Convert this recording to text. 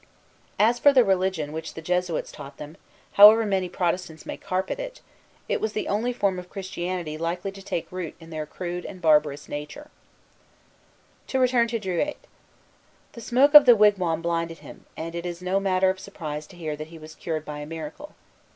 As for the religion which the Jesuits taught them, however Protestants may carp at it, it was the only form of Christianity likely to take root in their crude and barbarous nature. Vimont, Relation, 1645, 16. To return to Druilletes. The smoke of the wigwam blinded him; and it is no matter of surprise to hear that he was cured by a miracle.